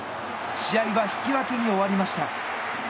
試合は引き分けに終わりました。